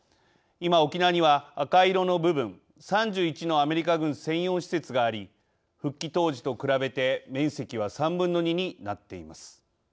今沖縄には赤色の部分３１のアメリカ軍専用施設があり復帰当時と比べて面積は３分の２になっています。